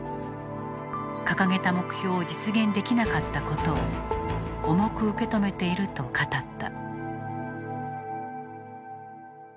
掲げた目標を実現できなかったことを重く受け止めていると語った。